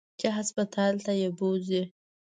چې هسپتال ته يې بوځي.